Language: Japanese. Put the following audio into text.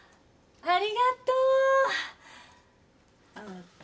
ありがとう。ああ。